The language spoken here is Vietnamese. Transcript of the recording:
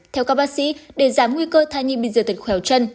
theo các bác sĩ để giảm nguy cơ thai nhi bình diện tật khéo chân